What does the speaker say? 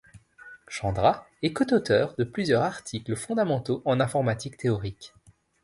Chandra est co-auteur de plusieurs articles fondamentaux en informatique théorique.